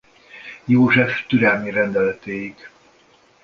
József türelmi rendeletéig.